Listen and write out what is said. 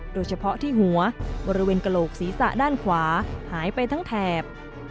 โดยเฉพาะที่หัวบริเวณกระโหลกศีรษะด้านขวาหายไปทั้งแถบ